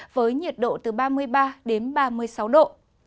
với nhiệt độ từ ba mươi ba đến ba mươi sáu độ